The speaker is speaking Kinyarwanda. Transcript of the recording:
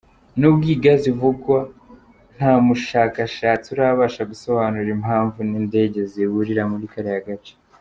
Nubwo iyi Gaz ivugwa ntamushakashatsi urabasha gusobanura impamvu n’indege ziburira muri kariya gace.